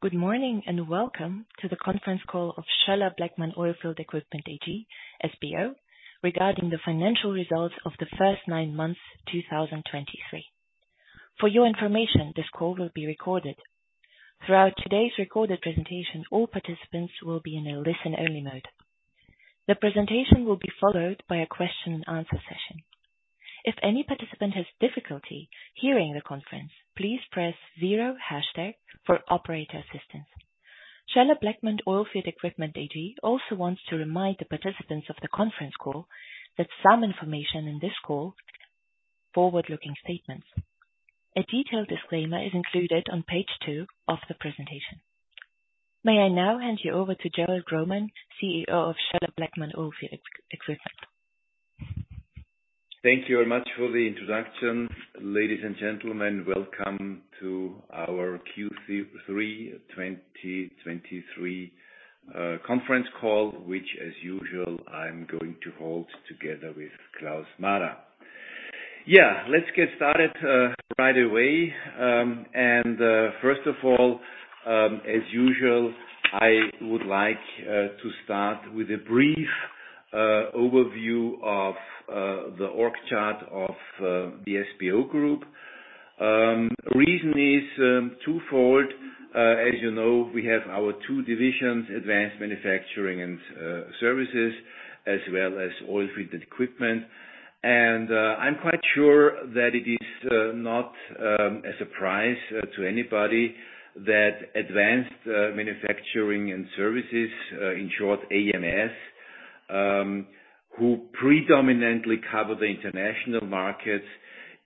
Good morning, and welcome to the conference call of Schoeller-Bleckmann Oilfield Equipment AG, SBO, regarding the financial results of the first 9 months, 2023. For your information, this call will be recorded. Throughout today's recorded presentation, all participants will be in a listen-only mode. The presentation will be followed by a question and answer session. If any participant has difficulty hearing the conference, please press zero hashtag for operator assistance. Schoeller-Bleckmann Oilfield Equipment AG also wants to remind the participants of the conference call that some information in this call, forward-looking statements. A detailed disclaimer is included on page 2 of the presentation. May I now hand you over to Gerald Grohmann, CEO of Schoeller-Bleckmann Oilfield Equipment. Thank you very much for the introduction. Ladies and gentlemen, welcome to our Q3 2023 conference call, which, as usual, I'm going to hold together with Klaus Mader. Yeah, let's get started right away. First of all, as usual, I would like to start with a brief overview of the org chart of the SBO Group. Reason is twofold. As you know, we have our two divisions, Advanced Manufacturing and Services, as well as Oilfield Equipment. I'm quite sure that it is not a surprise to anybody that Advanced Manufacturing and Services, in short, AMS, who predominantly cover the international markets,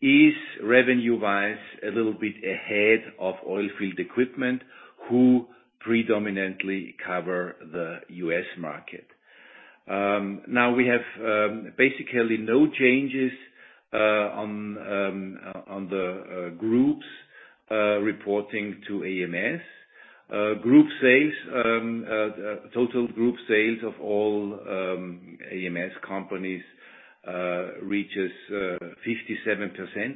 is revenue-wise, a little bit ahead of Oilfield Equipment, who predominantly cover the U.S. market. Now we have basically no changes on the groups reporting to AMS. Group sales total group sales of all AMS companies reaches 57%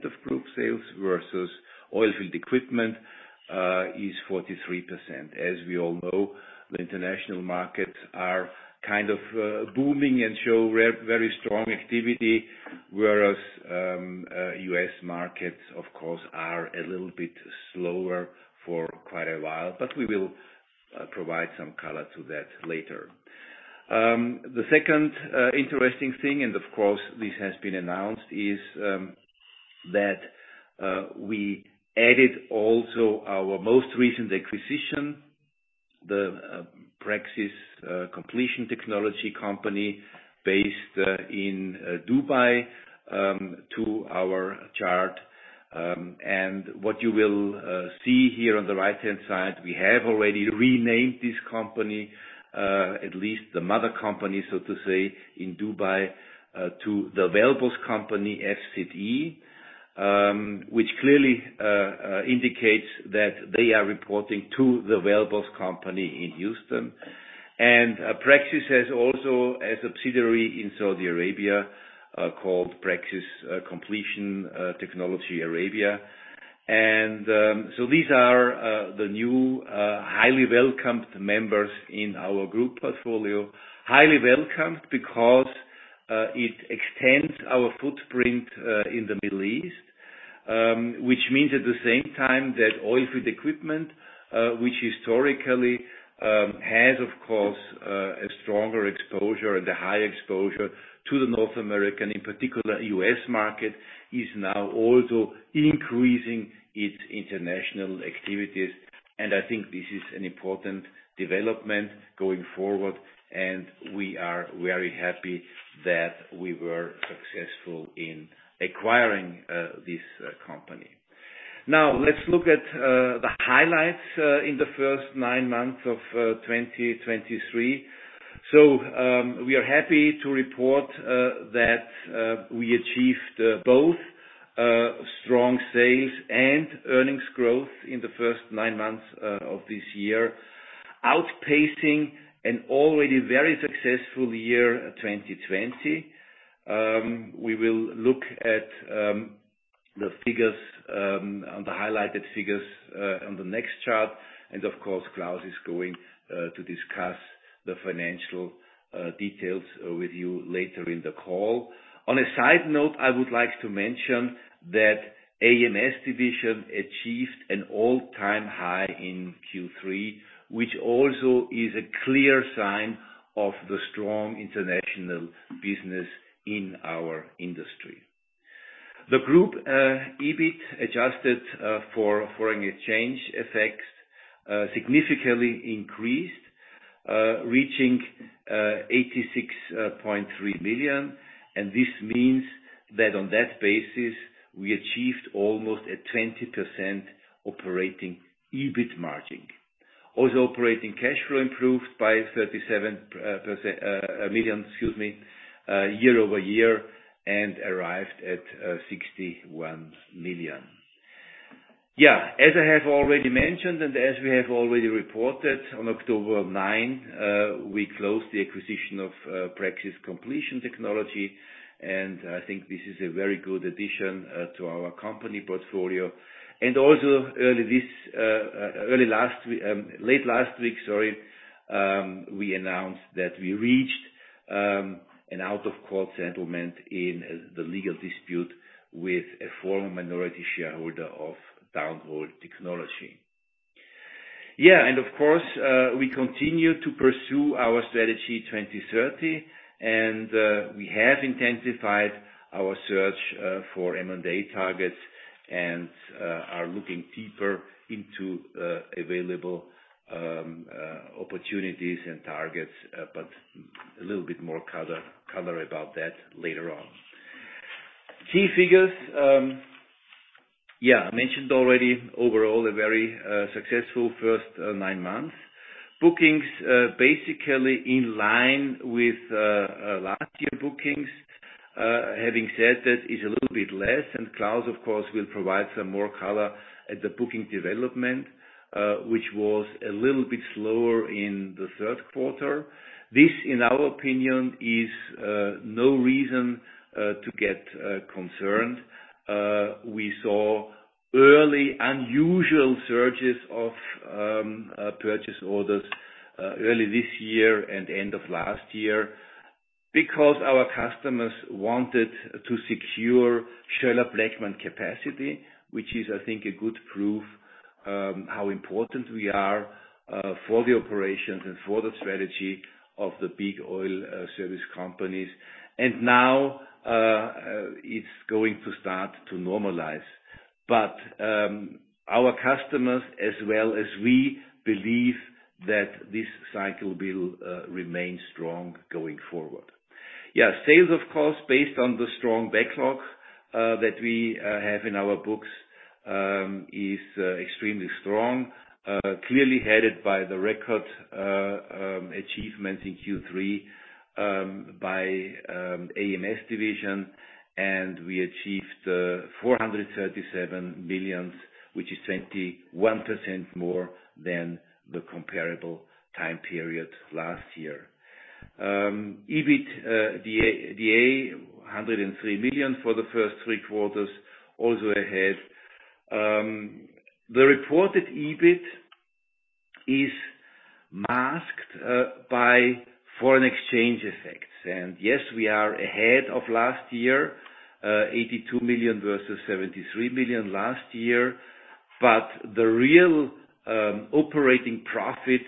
of group sales, versus Oilfield Equipment is 43%. As we all know, the international markets are kind of booming and show very strong activity, whereas US markets, of course, are a little bit slower for quite a while, but we will provide some color to that later. The second interesting thing, and of course, this has been announced, is that we added also our most recent acquisition, the Praxis Completion Technology company based in Dubai to our chart. What you will see here on the right-hand side, we have already renamed this company, at least the mother company, so to say, in Dubai, to the WellBoss Company, PCT, which clearly indicates that they are reporting to the WellBoss Company in Houston. Praxis has also a subsidiary in Saudi Arabia, called Praxis Completion Technology Arabia. So these are the new, highly welcomed members in our group portfolio. Highly welcomed because it extends our footprint in the Middle East, which means at the same time that Oilfield Equipment, which historically has, of course, a stronger exposure and a high exposure to the North American, in particular, U.S. market, is now also increasing its international activities. I think this is an important development going forward, and we are very happy that we were successful in acquiring this company. Now, let's look at the highlights in the first nine months of 2023. We are happy to report that we achieved both strong sales and earnings growth in the first nine months of this year, outpacing an already very successful year, 2020. We will look at the figures on the highlighted figures on the next chart, and of course, Klaus is going to discuss the financial details with you later in the call. On a side note, I would like to mention that AMS division achieved an all-time high in Q3, which also is a clear sign of the strong international business in our industry. The group, EBIT, adjusted, for foreign exchange effects, significantly increased, reaching, 86.3 million, and this means that on that basis, we achieved almost a 20% operating EBIT margin. Also, operating cash flow improved by 37 million, excuse me, year over year and arrived at, 61 million. Yeah, as I have already mentioned, and as we have already reported, on October 9, we closed the acquisition of, Praxis Completion Technology, and I think this is a very good addition, to our company portfolio. And also early this, early last week, late last week, sorry, we announced that we reached an out-of-court settlement in, the legal dispute with a former minority shareholder of Downhole Technology. Yeah, and of course, we continue to pursue our Strategy 2030, and we have intensified our search for M&A targets and are looking deeper into available opportunities and targets, but a little bit more color about that later on. Key figures, yeah, I mentioned already, overall, a very successful first nine months. Bookings basically in line with last year bookings. Having said that, is a little bit less, and Klaus, of course, will provide some more color at the booking development, which was a little bit slower in the third quarter. This, in our opinion, is no reason to get concerned. We saw early unusual surges of purchase orders early this year and end of last year because our customers wanted to secure Schoeller-Bleckmann capacity, which is, I think, a good proof how important we are for the operations and for the strategy of the big oil service companies. And now it's going to start to normalize. But our customers, as well as we, believe that this cycle will remain strong going forward. Yeah, sales, of course, based on the strong backlog that we have in our books is extremely strong. Clearly headed by the record achievements in Q3 by AMS division, and we achieved 437 million, which is 21% more than the comparable time period last year. EBIT, 103 million for the first three quarters, also ahead. The reported EBIT is masked by foreign exchange effects. And yes, we are ahead of last year, 82 million versus 73 million last year. But the real operating profit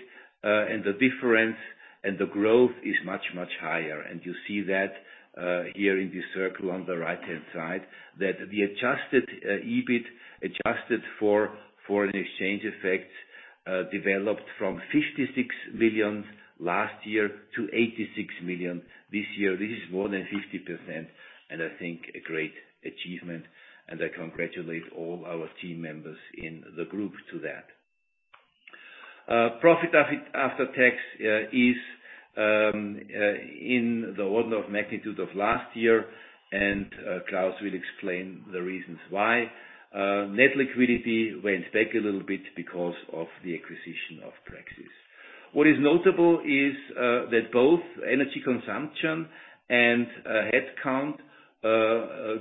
and the difference and the growth is much, much higher. And you see that here in this circle on the right-hand side, that the adjusted EBIT, adjusted for foreign exchange effects, developed from 56 million last year to 86 million this year. This is more than 50%, and I think a great achievement, and I congratulate all our team members in the group to that. Profit after tax is in the order of magnitude of last year, and Klaus will explain the reasons why. Net liquidity went back a little bit because of the acquisition of Praxis. What is notable is that both energy consumption and headcount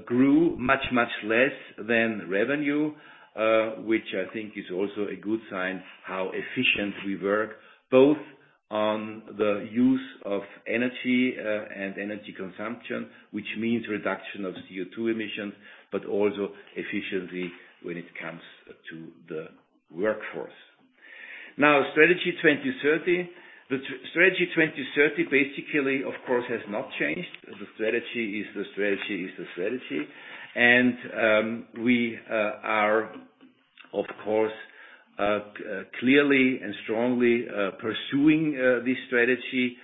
grew much, much less than revenue, which I think is also a good sign, how efficient we work, both on the use of energy and energy consumption, which means reduction of CO₂ emissions, but also efficiency when it comes to the workforce. Now, Strategy 2030. The Strategy 2030, basically, of course, has not changed. The strategy is the strategy, is the strategy. And we are, of course, clearly and strongly pursuing this strategy,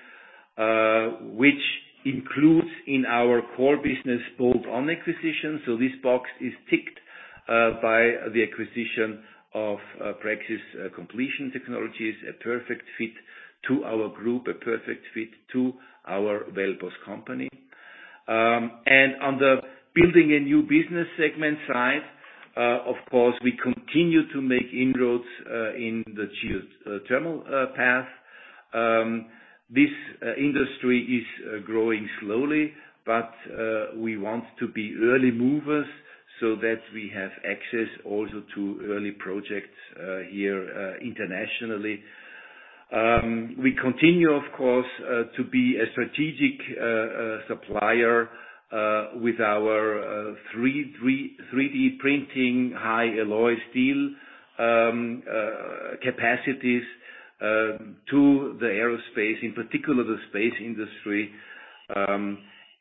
which includes in our core business, both on acquisition. So this box is ticked by the acquisition of Praxis Completion Technologies, a perfect fit to our group, a perfect fit to our WellBoss company. And on the building a new business segment side, of course, we continue to make inroads in the geothermal path. This industry is growing slowly, but we want to be early movers so that we have access also to early projects here internationally. We continue, of course, to be a strategic supplier with our 3D printing, high alloy steel capacities to the aerospace, in particular, the space industry.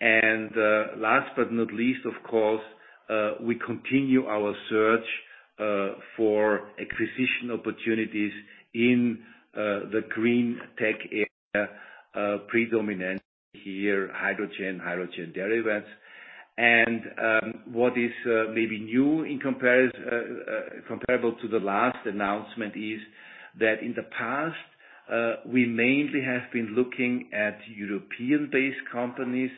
And, last but not least, of course, we continue our search for acquisition opportunities in the green tech area, predominant here, hydrogen, hydrogen derivatives. What is maybe new in comparison, comparable to the last announcement, is that in the past, we mainly have been looking at European-based companies,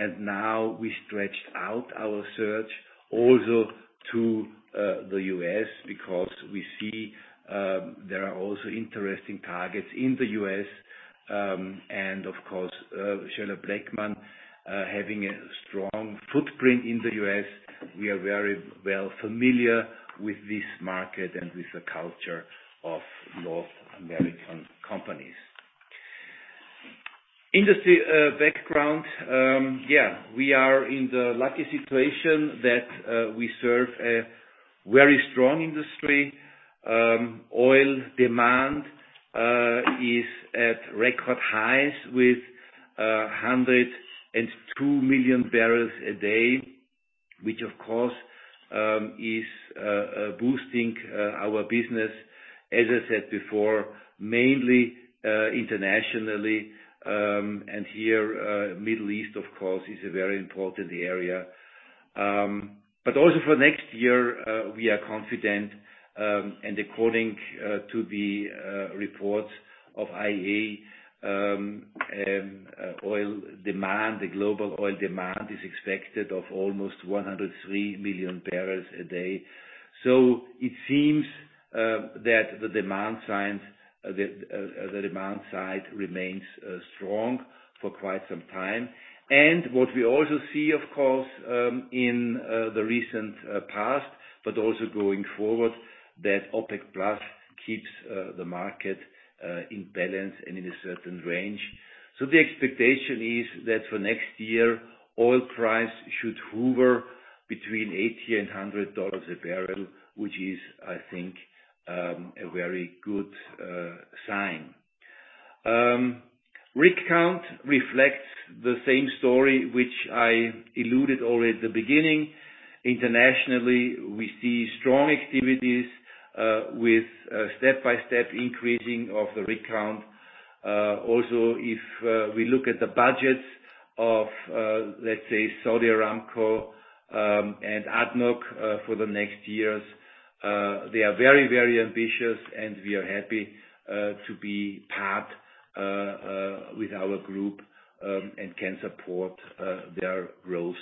and now we stretched out our search also to the U.S. because we see there are also interesting targets in the U.S. Of course, Schoeller-Bleckmann, having a strong footprint in the U.S., we are very well familiar with this market and with the culture of North American companies. Industry background, yeah, we are in the lucky situation that we serve a very strong industry. Oil demand is at record highs with 102 million barrels a day, which, of course, is boosting our business, as I said before, mainly internationally. And here, Middle East, of course, is a very important area. But also for next year, we are confident, and according to the reports of IEA, oil demand, the global oil demand is expected of almost 103 million barrels a day. So it seems that the demand signs, the demand side remains strong for quite some time. And what we also see, of course, in the recent past, but also going forward, that OPEC+ keeps the market in balance and in a certain range. So the expectation is that for next year, oil price should hover between $80-$100 a barrel, which is, I think, a very good sign. Rig count reflects the same story, which I alluded earlier at the beginning. Internationally, we see strong activities, with step-by-step increasing of the rig count. Also, if we look at the budgets of, let's say, Saudi Aramco, and ADNOC, for the next years, they are very, very ambitious, and we are happy to be part with our group, and can support their growth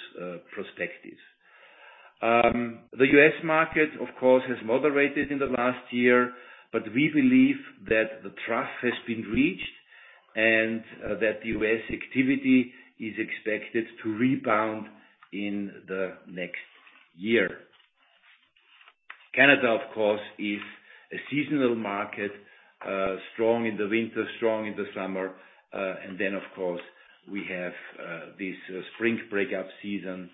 perspectives. The U.S. market, of course, has moderated in the last year, but we believe that the trough has been reached, and that the U.S. activity is expected to rebound in the next year. Canada, of course, is a seasonal market, strong in the winter, strong in the summer. And then, of course, we have this spring breakup season,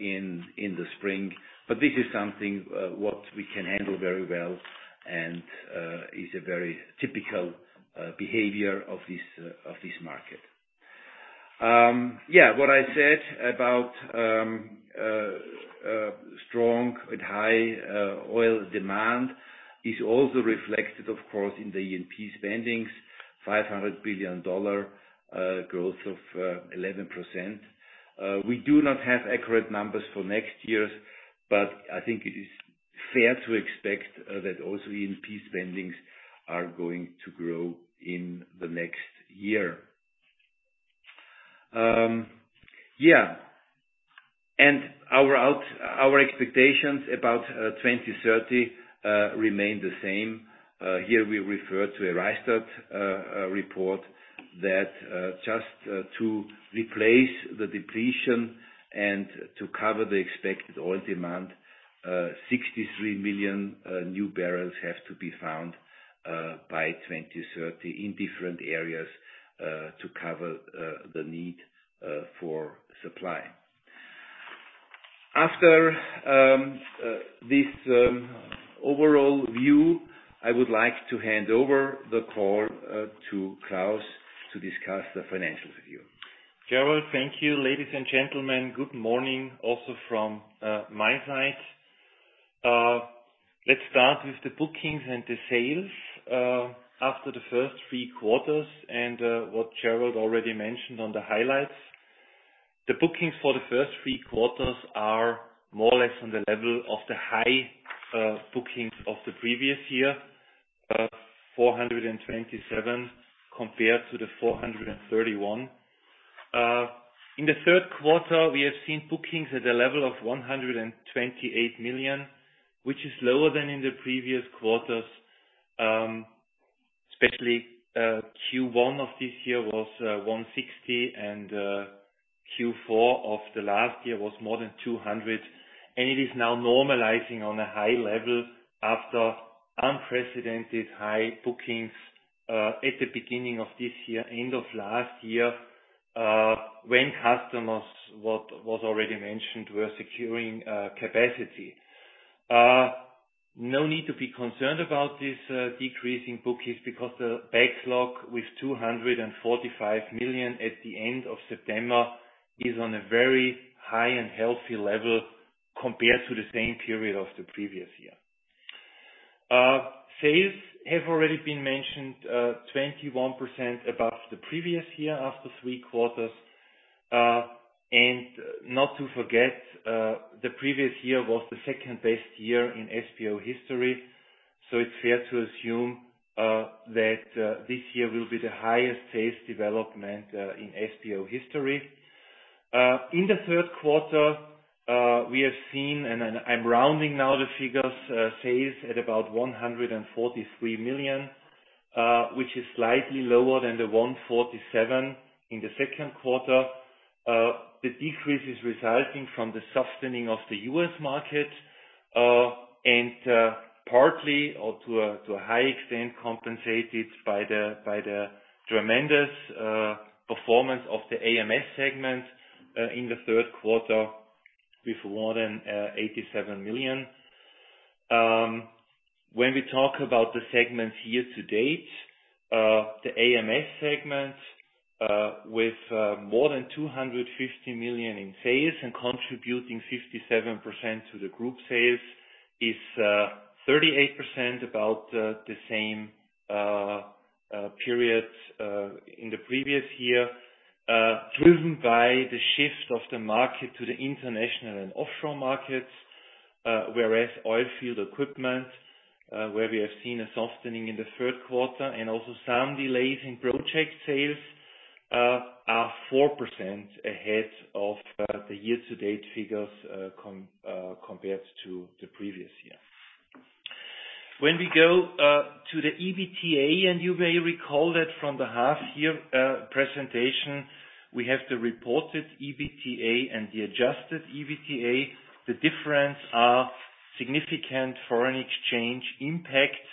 in the spring. But this is something what we can handle very well and is a very typical behavior of this market. Yeah, what I said about strong and high oil demand is also reflected, of course, in the E&P spendings, $500 billion growth of 11%. We do not have accurate numbers for next year, but I think it is fair to expect that also E&P spendings are going to grow in the next year. Yeah, and our expectations about 2030 remain the same. Here we refer to a Rystad report that just to replace the depletion and to cover the expected oil demand, 63 million new barrels have to be found by 2030 in different areas to cover the need for supply. After this overall view, I would like to hand over the call to Klaus to discuss the financial review. Gerald, thank you. Ladies and gentlemen, good morning, also from my side. Let's start with the bookings and the sales after the first three quarters and what Gerald already mentioned on the highlights. The bookings for the first three quarters are more or less on the level of the high bookings of the previous year, 427 million compared to the 431 million. In the third quarter, we have seen bookings at a level of 128 million, which is lower than in the previous quarters. Especially, Q1 of this year was 160 million, and Q4 of the last year was more than 200 million, and it is now normalizing on a high level after unprecedented high bookings at the beginning of this year, end of last year, when customers, what was already mentioned, were securing capacity. No need to be concerned about this decreasing bookings because the backlog with 245 million at the end of September is on a very high and healthy level compared to the same period of the previous year. Sales have already been mentioned 21% above the previous year after three quarters. And not to forget, the previous year was the second best year in SBO history. So it's fair to assume that this year will be the highest sales development in SBO history. In the third quarter, we have seen, and I, I'm rounding now the figures, sales at about 143 million, which is slightly lower than the 147 million in the second quarter. The decrease is resulting from the sustaining of the US market and, partly or to a, to a high extent compensated by the, by the tremendous performance of the AMS segment in the third quarter with more than 87 million. When we talk about the segments year to date, the AMS segment, with more than 250 million in sales and contributing 57% to the group sales, is 38% above the same period in the previous year. Driven by the shift of the market to the international and offshore markets, whereas Oilfield Equipment, where we have seen a softening in the third quarter and also some delays in project sales, are 4% ahead of the year-to-date figures compared to the previous year. When we go to the EBITDA, and you may recall that from the half year presentation, we have the reported EBITDA and the adjusted EBITDA. The difference are significant foreign exchange impacts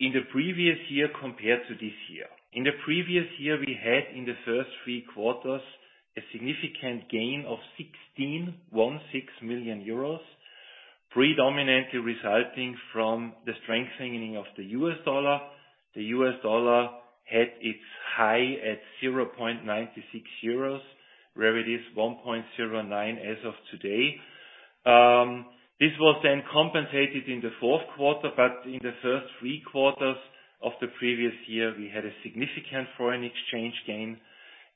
in the previous year compared to this year. In the previous year, we had, in the first three quarters, a significant gain of 16.16 million euros, predominantly resulting from the strengthening of the US dollar. The US dollar had its high at 0.96 euros, where it is 1.09 as of today. This was then compensated in the fourth quarter, but in the first three quarters of the previous year, we had a significant foreign exchange gain,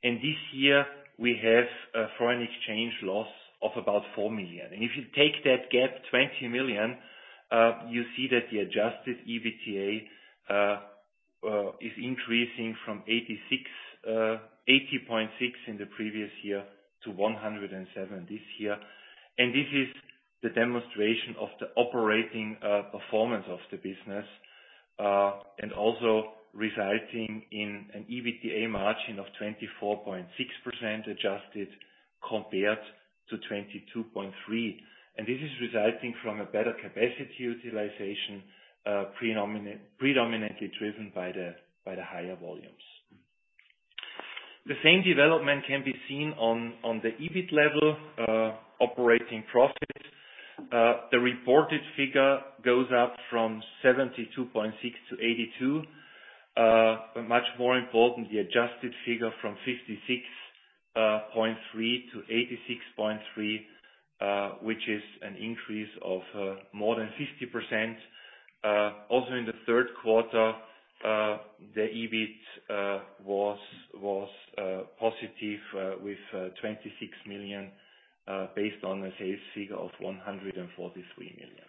and this year we have a foreign exchange loss of about 4 million. If you take that gap, 20 million, you see that the adjusted EBITDA is increasing from 86, 80.6 in the previous year to 107 this year. This is the demonstration of the operating performance of the business and also resulting in an EBITDA margin of 24.6% adjusted, compared to 22.3%. This is resulting from a better capacity utilization, predominantly driven by the higher volumes. The same development can be seen on the EBIT level, operating profit. The reported figure goes up from 72.6 million to 82 million. But much more important, the adjusted figure from 56.3 million to 86.3 million, which is an increase of more than 50%. Also in the third quarter, the EBIT was positive with 26 million, based on a sales figure of 143 million.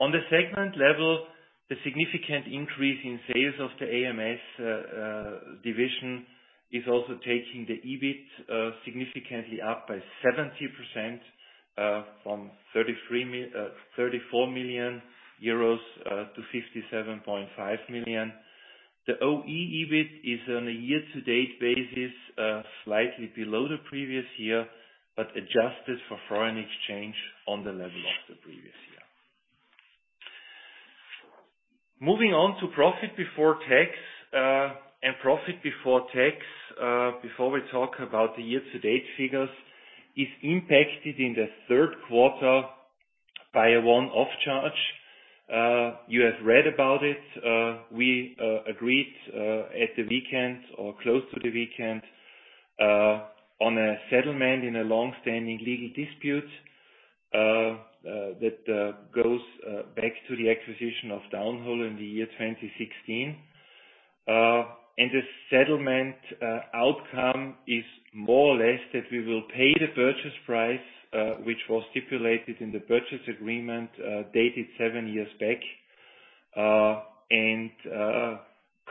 On the segment level, the significant increase in sales of the AMS division is also taking the EBIT significantly up by 70% from 34 million euros to 57.5 million. The OE EBIT is on a year-to-date basis slightly below the previous year, but adjusted for foreign exchange on the level of the previous year. Moving on to profit before tax before we talk about the year-to-date figures, is impacted in the third quarter by a one-off charge. You have read about it. We agreed at the weekend or close to the weekend on a settlement in a long-standing legal dispute that goes back to the acquisition of Downhole in the year 2016. The settlement outcome is more or less that we will pay the purchase price, which was stipulated in the purchase agreement, dated seven years back, and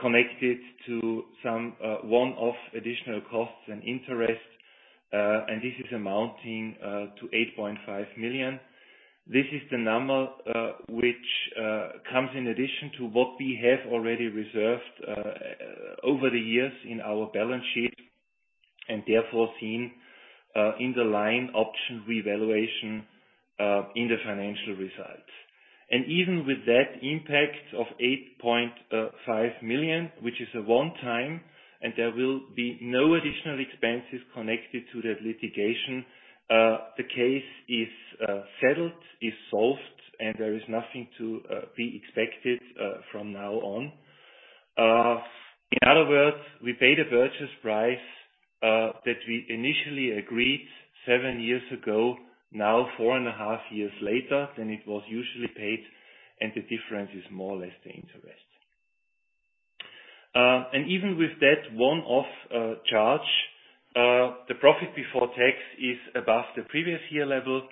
connected to some one-off additional costs and interest, and this is amounting to 8.5 million. This is the number, which comes in addition to what we have already reserved over the years in our balance sheet, and therefore, seen in the line option revaluation in the financial results. Even with that impact of 8.5 million, which is a one-time, and there will be no additional expenses connected to that litigation, the case is settled, is solved, and there is nothing to be expected from now on. In other words, we paid a purchase price that we initially agreed 7 years ago, now 4.5 years later, than it was usually paid, and the difference is more or less the interest. Even with that one-off charge, the profit before tax is above the previous year level.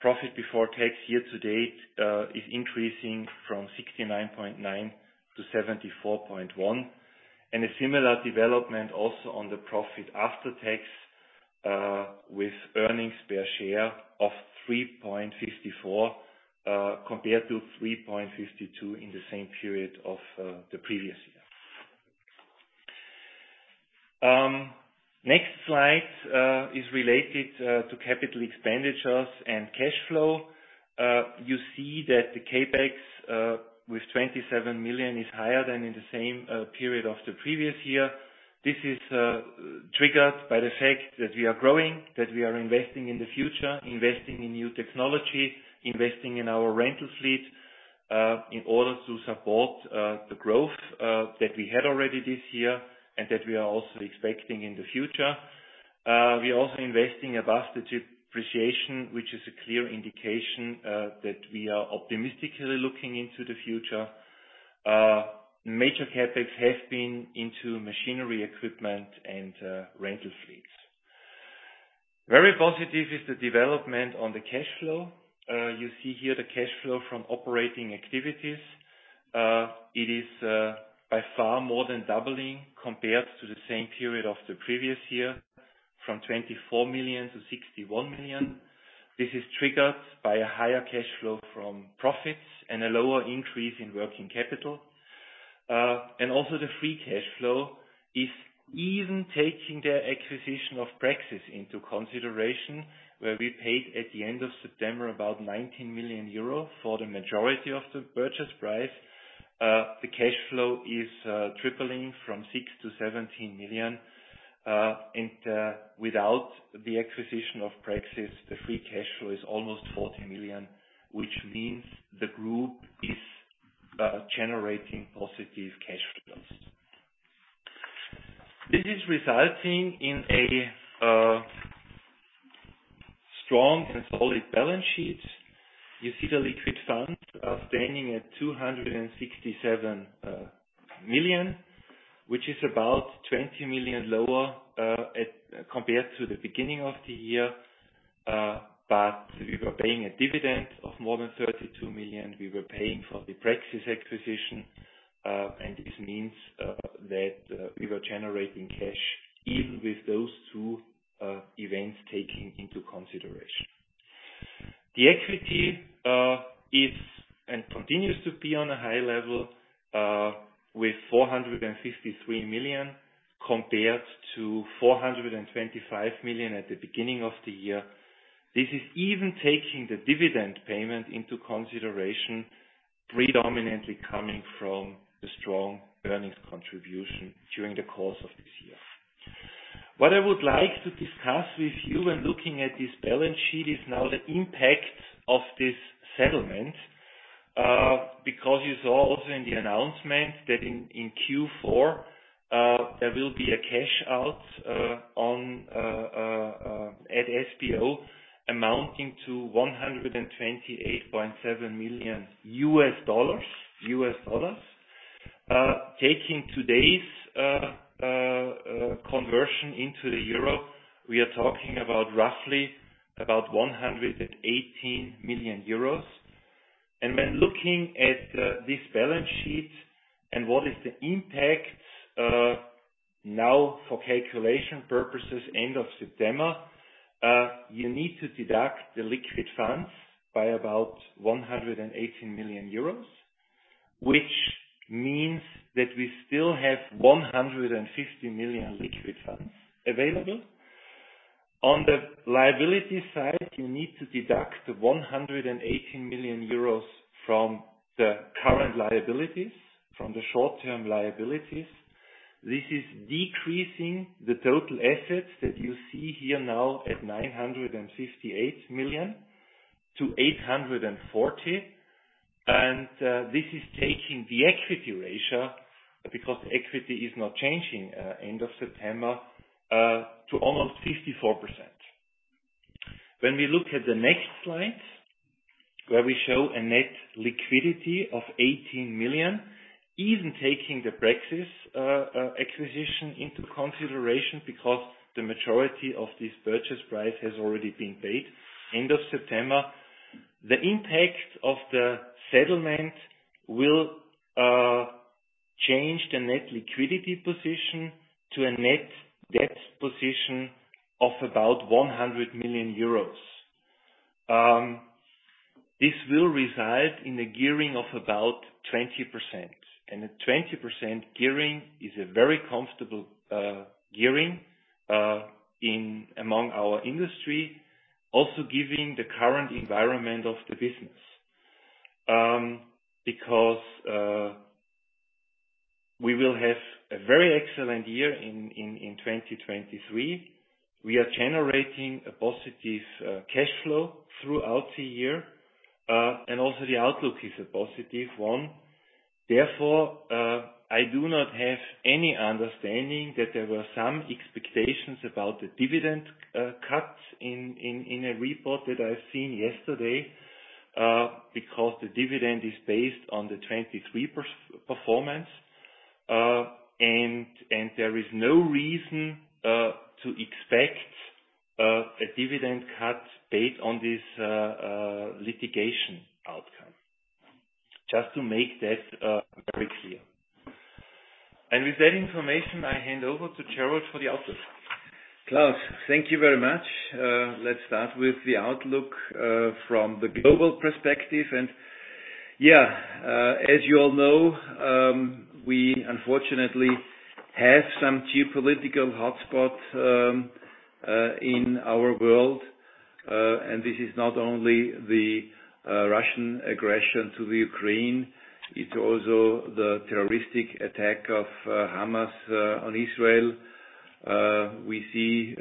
Profit before tax year to date is increasing from 69.9 to 74.1. A similar development also on the profit after tax with earnings per share of 3.54 compared to 3.52 in the same period of the previous year. Next slide is related to capital expenditures and cash flow. You see that the CapEx with 27 million is higher than in the same period of the previous year. This is triggered by the fact that we are growing, that we are investing in the future, investing in new technology, investing in our rental fleet, in order to support the growth that we had already this year and that we are also expecting in the future. We are also investing above the depreciation, which is a clear indication that we are optimistically looking into the future. Major CapEx has been into machinery, equipment, and rental fleets. Very positive is the development on the cash flow. You see here the cash flow from operating activities. It is by far more than doubling compared to the same period of the previous year, from 24 million to 61 million. This is triggered by a higher cash flow from profits and a lower increase in working capital. And also the free cash flow is even taking the acquisition of Praxis into consideration, where we paid at the end of September about 19 million euro for the majority of the purchase price. The cash flow is tripling from 6 million to 17 million. And without the acquisition of Praxis, the free cash flow is almost 40 million, which means the group is generating positive cash flows. This is resulting in a strong and solid balance sheet. You see the liquid funds standing at 267 million, which is about 20 million lower compared to the beginning of the year. But we were paying a dividend of more than 32 million. We were paying for the Praxis acquisition, and this means that we were generating cash even with those two events taking into consideration. The equity is and continues to be on a high level with 453 million, compared to 425 million at the beginning of the year. This is even taking the dividend payment into consideration, predominantly coming from the strong earnings contribution during the course of this year. What I would like to discuss with you when looking at this balance sheet is now the impact of this settlement. Because you saw also in the announcement that in Q4 there will be a cash out at SBO, amounting to $128.7 million US dollars, US dollars. Taking today's conversion into the euro, we are talking about roughly about 118 million euros. And when looking at this balance sheet and what is the impact, now for calculation purposes, end of September, you need to deduct the liquid funds by about 118 million euros, which means that we still have 150 million liquid funds available. On the liability side, you need to deduct the 118 million euros from the current liabilities, from the short-term liabilities. This is decreasing the total assets that you see here now at 958 million-840 million. And this is taking the equity ratio, because equity is not changing, end of September, to almost 54%. When we look at the next slide, where we show a net liquidity of 18 million, even taking the Praxis acquisition into consideration, because the majority of this purchase price has already been paid end of September. The impact of the settlement will change the net liquidity position to a net debt position of about 100 million euros. This will reside in a gearing of about 20%, and a 20% gearing is a very comfortable gearing in among our industry, also giving the current environment of the business. Because we will have a very excellent year in 2023. We are generating a positive cash flow throughout the year, and also the outlook is a positive one. Therefore, I do not have any understanding that there were some expectations about the dividend cut in a report that I've seen yesterday, because the dividend is based on the 2023 performance. And there is no reason to expect a dividend cut based on this litigation outcome. Just to make that very clear. And with that information, I hand over to Gerald for the outlook.... Klaus, thank you very much. Let's start with the outlook from the global perspective. As you all know, we unfortunately have some geopolitical hotspots in our world. This is not only the Russian aggression to the Ukraine, it's also the terroristic attack of Hamas on Israel. We see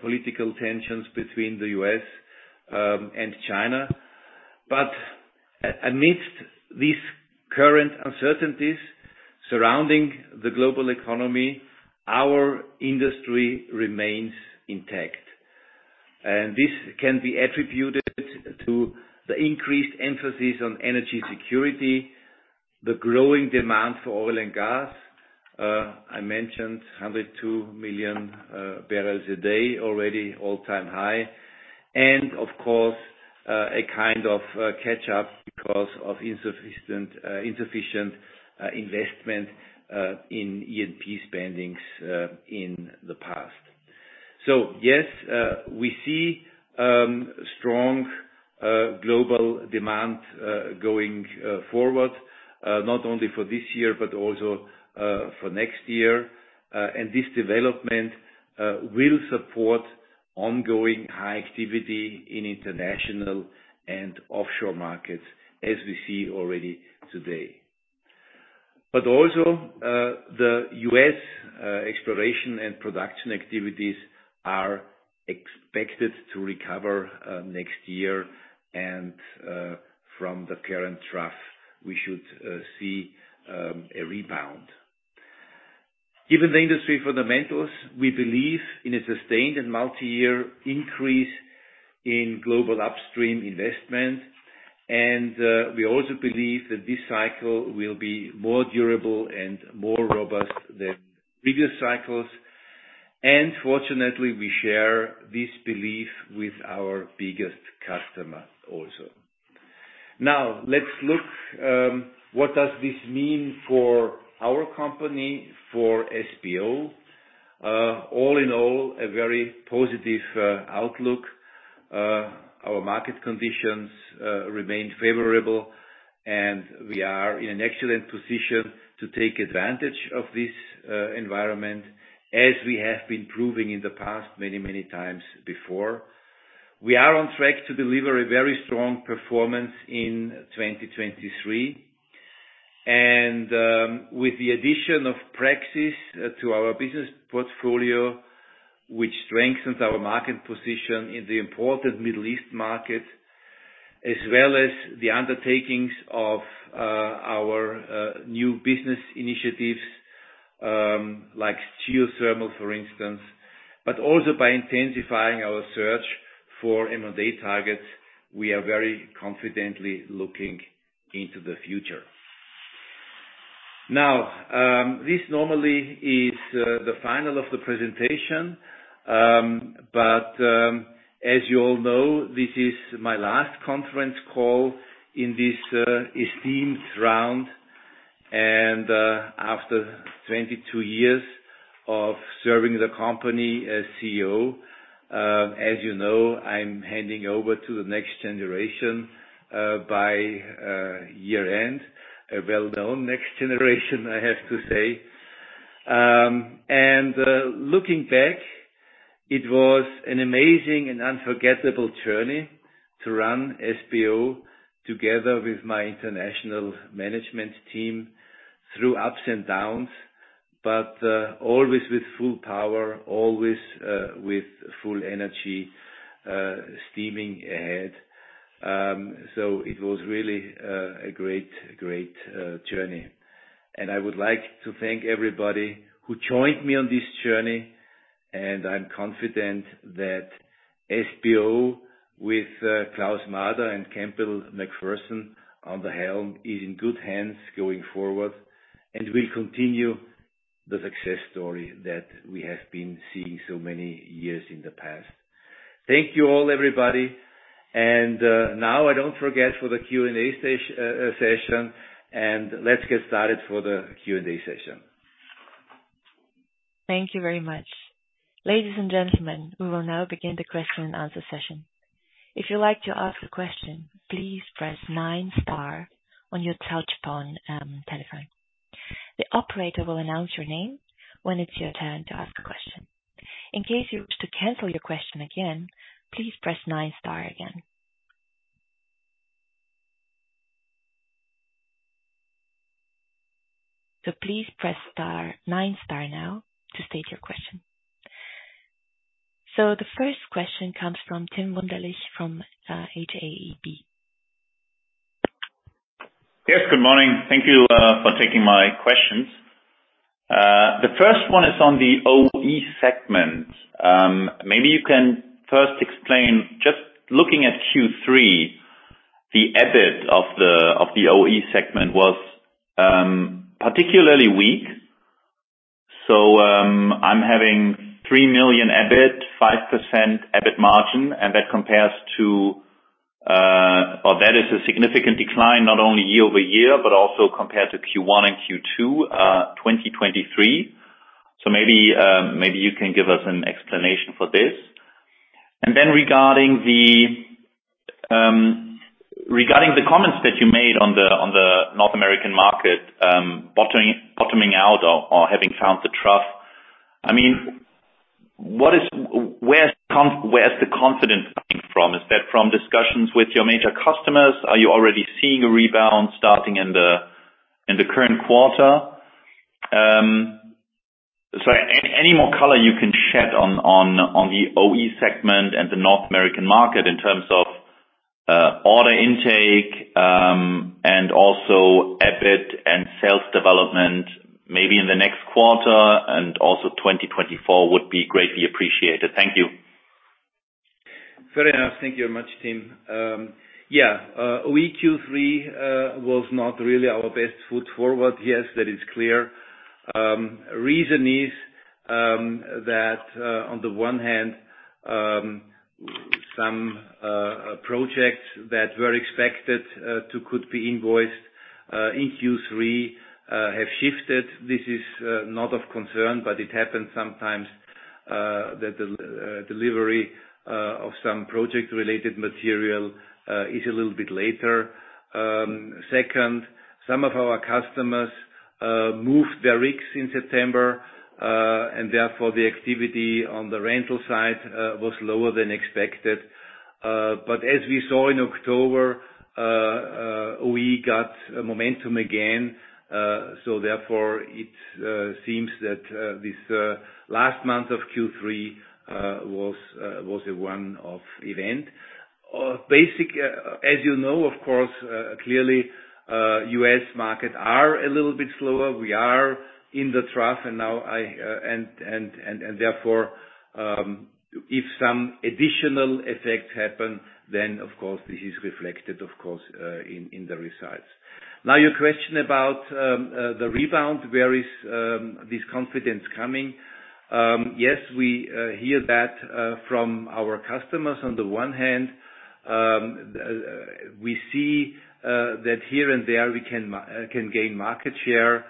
political tensions between the US and China. But amidst these current uncertainties surrounding the global economy, our industry remains intact, and this can be attributed to the increased emphasis on energy security, the growing demand for oil and gas. I mentioned 102 million barrels a day, already all-time high, and of course, a kind of catch-up because of insufficient investment in E&P spending in the past. So yes, we see strong global demand going forward, not only for this year, but also for next year. And this development will support ongoing high activity in international and offshore markets, as we see already today. But also, the US exploration and production activities are expected to recover next year. And from the current trough, we should see a rebound. Given the industry fundamentals, we believe in a sustained and multi-year increase in global upstream investment, and we also believe that this cycle will be more durable and more robust than previous cycles. And fortunately, we share this belief with our biggest customer also. Now, let's look what does this mean for our company, for SBO? All in all, a very positive outlook. Our market conditions remain favorable, and we are in an excellent position to take advantage of this environment, as we have been proving in the past many, many times before. We are on track to deliver a very strong performance in 2023. And, with the addition of Praxis to our business portfolio, which strengthens our market position in the important Middle East market, as well as the undertakings of our new business initiatives, like geothermal, for instance, but also by intensifying our search for M&A targets, we are very confidently looking into the future. Now, this normally is the final of the presentation, but, as you all know, this is my last conference call in this esteemed round. After 22 years of serving the company as CEO, as you know, I'm handing over to the next generation by year-end. A well-known next generation, I have to say. Looking back, it was an amazing and unforgettable journey to run SBO together with my international management team through ups and downs, but always with full power, always with full energy, steaming ahead. So it was really a great, great journey, and I would like to thank everybody who joined me on this journey. I'm confident that SBO, with Klaus Mader and Campbell MacPherson on the helm, is in good hands going forward and will continue the success story that we have been seeing so many years in the past. Thank you, all, everybody. And, now I don't forget for the Q&A session, and let's get started for the Q&A session. Thank you very much. Ladies and gentlemen, we will now begin the question and answer session. If you'd like to ask a question, please press nine star on your touchtone telephone. The operator will announce your name when it's your turn to ask a question. In case you wish to cancel your question again, please press nine star again. So please press star, nine star now to state your question. So the first question comes from Tim Wunderlich, from Hauck & Aufhäuser. Yes, good morning. Thank you for taking my questions. The first one is on the OE segment. Maybe you can first explain, just looking at Q3, the EBIT of the OE segment was particularly weak. So, I'm having 3 million EBIT, 5% EBIT margin, and that compares to that. That is a significant decline, not only year-over-year, but also compared to Q1 and Q2, 2023. So maybe you can give us an explanation for this. And then regarding the comments that you made on the North American market, bottoming out or having found the trough, I mean, what is, where's the confidence coming from? Is that from discussions with your major customers? Are you already seeing a rebound starting in the current quarter? So any more color you can shed on the OE segment and the North American market in terms of order intake, and also EBIT and sales development, maybe in the next quarter and also 2024, would be greatly appreciated. Thank you. Fair enough. Thank you very much, Tim. Yeah, OE Q3 was not really our best foot forward. Yes, that is clear. Reason is that on the one hand some projects that were expected to could be invoiced in Q3 have shifted. This is not of concern, but it happens sometimes that the delivery of some project-related material is a little bit later. Second, some of our customers moved their rigs in September and therefore the activity on the rental side was lower than expected. But as we saw in October we got a momentum again. So therefore it seems that this last month of Q3 was a one-off event. Basically, as you know, of course, clearly, the U.S. market is a little bit slower. We are in the trough, and therefore, if some additional effects happen, then, of course, this is reflected, of course, in the results. Now, your question about the rebound. Where is this confidence coming? Yes, we hear that from our customers. On the one hand, we see that here and there we can gain market share.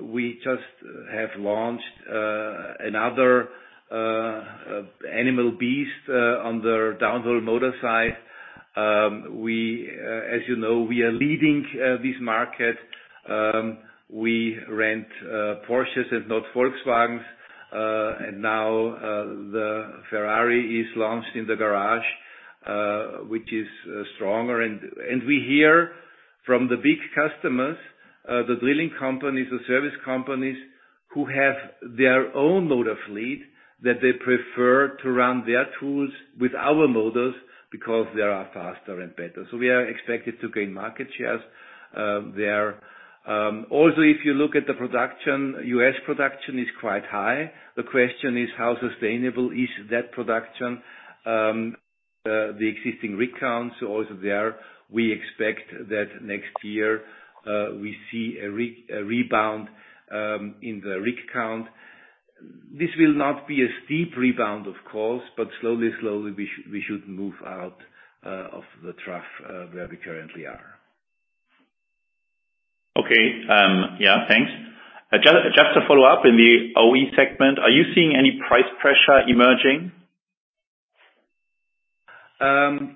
We just have launched another animal beast on the downhole motor side. As you know, we are leading this market. We rent Porsches and not Volkswagens. And now the Ferrari is launched in the garage, which is stronger. We hear from the big customers, the drilling companies, the service companies, who have their own motor fleet, that they prefer to run their tools with our motors because they are faster and better. So we are expected to gain market shares there. Also, if you look at the production, U.S. production is quite high. The question is, how sustainable is that production, the existing rig counts also there. We expect that next year we see a rebound in the rig count. This will not be a steep rebound, of course, but slowly, slowly, we should move out of the trough where we currently are. Okay, yeah, thanks. Just to follow up, in the OE segment, are you seeing any price pressure emerging?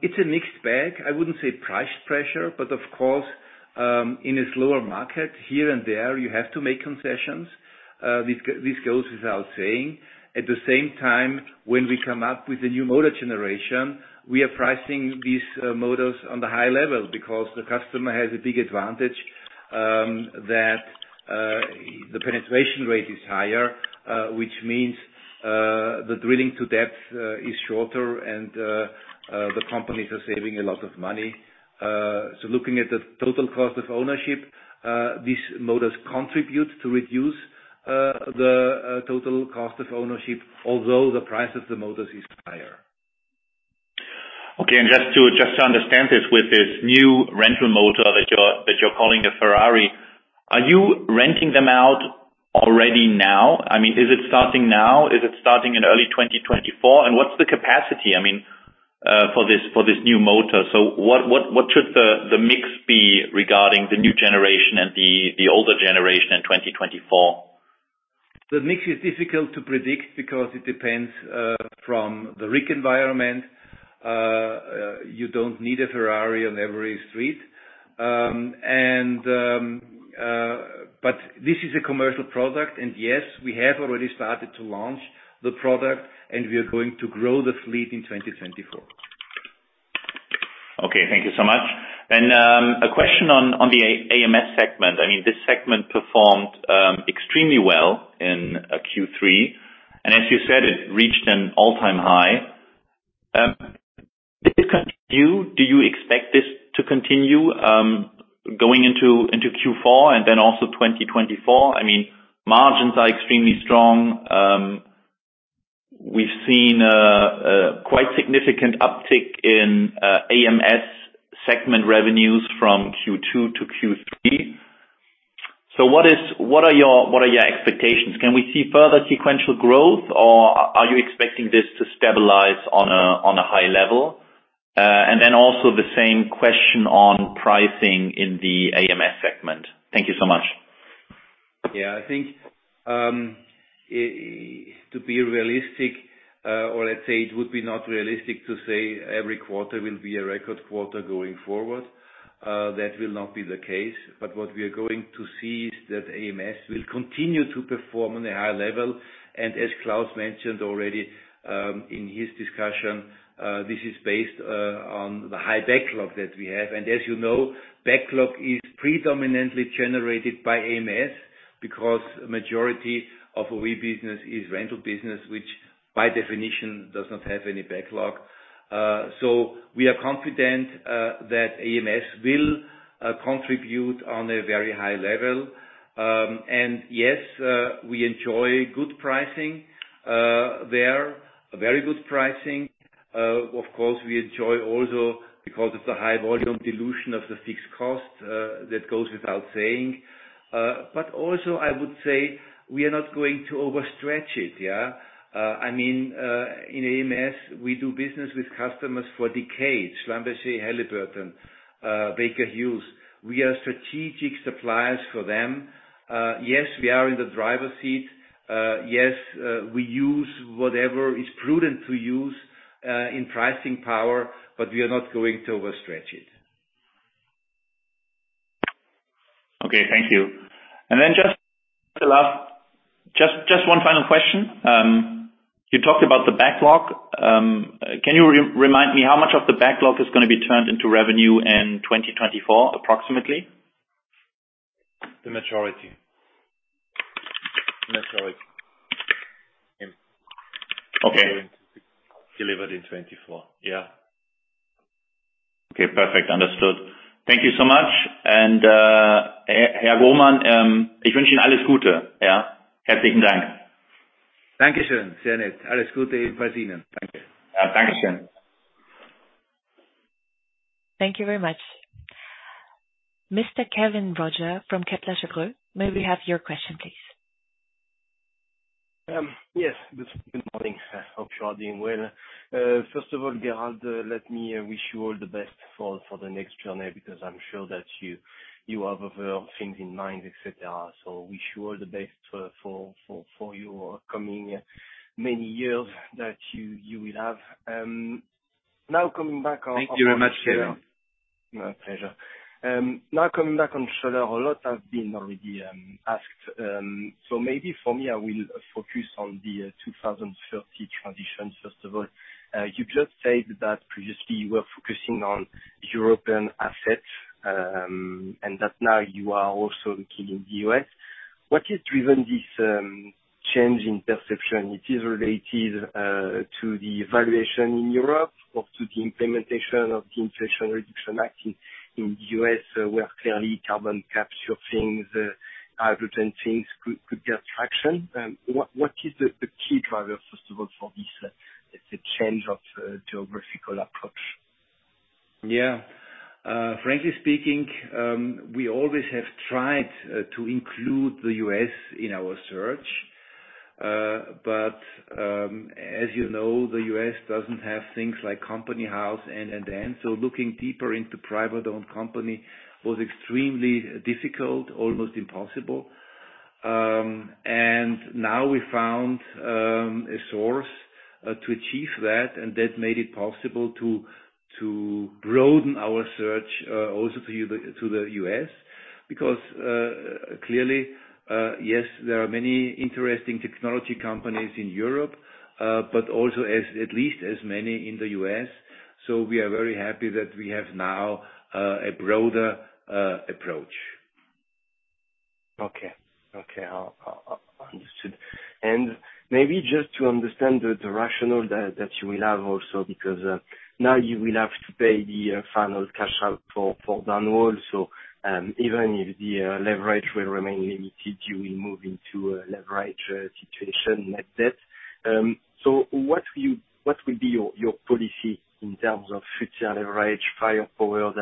It's a mixed bag. I wouldn't say price pressure, but of course, in a slower market, here and there, you have to make concessions. This goes without saying. At the same time, when we come up with a new motor generation, we are pricing these motors on the high level because the customer has a big advantage, that the penetration rate is higher, which means the drilling to depth is shorter and the companies are saving a lot of money. So looking at the total cost of ownership, these motors contribute to reduce the total cost of ownership, although the price of the motors is higher. Okay, and just to, just to understand this, with this new rental motor that you're, that you're calling a Ferrari, are you renting them out already now? I mean, is it starting now? Is it starting in early 2024? And what's the capacity, I mean, for this, for this new motor? So what, what, what should the, the mix be regarding the new generation and the, the older generation in 2024? The mix is difficult to predict because it depends from the rig environment. You don't need a Ferrari on every street. But this is a commercial product, and yes, we have already started to launch the product, and we are going to grow the fleet in 2024. Okay, thank you so much. And a question on the AMS segment. I mean, this segment performed extremely well in Q3, and as you said, it reached an all-time high. Did this continue? Do you expect this to continue going into Q4 and then also 2024? I mean, margins are extremely strong. We've seen a quite significant uptick in AMS segment revenues. So what are your expectations? Can we see further sequential growth, or are you expecting this to stabilize on a high level? And then also the same question on pricing in the AMS segment. Thank you so much. Yeah, I think, to be realistic, or let's say it would be not realistic to say every quarter will be a record quarter going forward. That will not be the case. But what we are going to see is that AMS will continue to perform on a high level. And as Klaus mentioned already, in his discussion, this is based on the high backlog that we have. And as you know, backlog is predominantly generated by AMS, because majority of our business is rental business, which by definition, does not have any backlog. So we are confident that AMS will contribute on a very high level. And yes, we enjoy good pricing there, very good pricing. Of course, we enjoy also, because it's a high volume dilution of the fixed cost, that goes without saying. But also I would say we are not going to overstretch it, yeah? I mean, in AMS, we do business with customers for decades, Schlumberger, Halliburton, Baker Hughes. We are strategic suppliers for them. Yes, we are in the driver's seat. Yes, we use whatever is prudent to use, in pricing power, but we are not going to overstretch it. Okay, thank you. And then just the last. Just, just one final question. You talked about the backlog. Can you remind me how much of the backlog is gonna be turned into revenue in 2024, approximately? The majority. Majority. Okay. Delivered in 2024. Yeah. Okay, perfect. Understood. Thank you so much. And, Herr Grohmann, yeah. ... Thank you, sir. Thank you. Thank you very much. Thank you very much. Mr. Kevin Roger from Kepler Cheuvreux, may we have your question, please? Yes. Good morning. I hope you are doing well. First of all, Gerald, let me wish you all the best for the next journey, because I'm sure that you have things in mind, et cetera. So wish you all the best for your coming many years that you will have. Now coming back on- Thank you very much, Kevin. My pleasure. Now coming back on Schoeller, a lot has been already asked. So maybe for me, I will focus on the 2030 transition, first of all. You just said that previously you were focusing on European assets, and that now you are also looking in the U.S. What has driven this change in perception? It is related to the valuation in Europe or to the implementation of the Inflation Reduction Act in the U.S., where clearly carbon capture things, hydrogen things could get traction. What is the key driver, first of all, for this change of geographical approach? Yeah. Frankly speaking, we always have tried to include the U.S. in our search. But as you know, the U.S. doesn't have things like Companies House, and so looking deeper into private-owned company was extremely difficult, almost impossible. And now we found a source to achieve that, and that made it possible to broaden our search also to the U.S. Because clearly yes, there are many interesting technology companies in Europe, but also at least as many in the U.S. So we are very happy that we have now a broader approach. Okay. I understood. And maybe just to understand the rationale that you will have also, because now you will have to pay the final cash out for Downhole. So, even if the leverage will remain limited, you will move into a leverage situation like that. So what will be your policy in terms of future leverage, firepower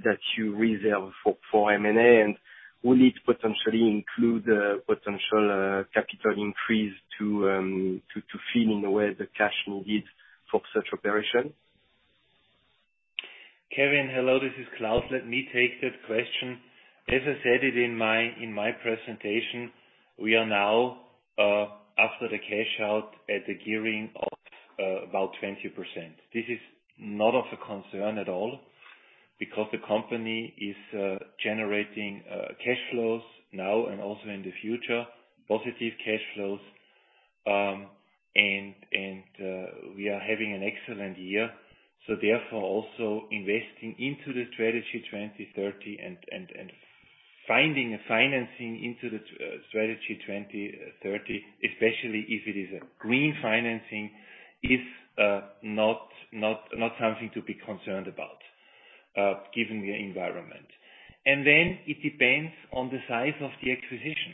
that you reserve for M&A? And will it potentially include a potential capital increase to fill in the way the cash needed for such operation? Kevin, hello, this is Klaus. Let me take that question. As I said it in my, in my presentation, we are now, after the cash out at the gearing of, about 20%. This is not of a concern at all, because the company is, generating, cash flows now and also in the future, positive cash flows. And, we are having an excellent year. So therefore, also investing into the Strategy 2030 and, finding a financing into the, Strategy 2030, especially if it is a green financing, is, not something to be concerned about, given the environment. And then it depends on the size of the acquisition.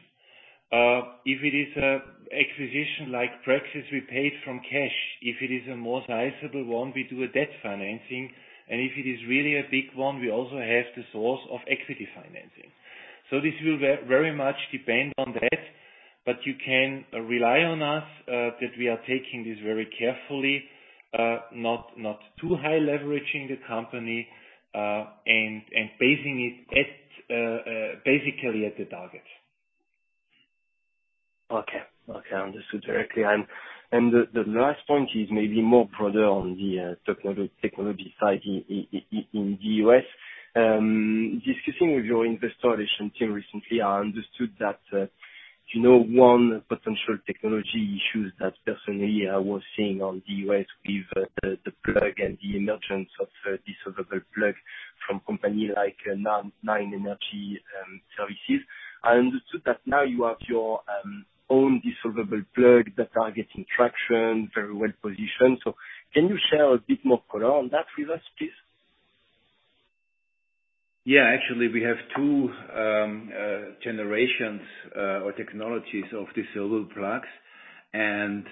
If it is a acquisition like Praxis, we paid from cash. If it is a more sizable one, we do a debt financing, and if it is really a big one, we also have the source of equity financing. So this will very much depend on that, but you can rely on us, that we are taking this very carefully, not too high leveraging the company, and basing it at, basically at the target. Okay. Okay, I understood directly. And the last point is maybe more product on the technology side in the U.S. Discussing with your investor relation team recently, I understood that, you know, one potential technology issue that personally I was seeing on the U.S. with the plug and the emergence of dissolvable plug from company like Nine Energy Services. I understood that now you have your own dissolvable plug that are getting traction, very well positioned. So can you share a bit more color on that with us, please? Yeah, actually, we have two generations or technologies of dissolvable plugs, and